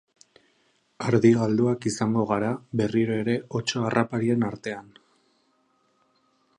Ardi galduak izango gara berriro ere otso harraparien artean.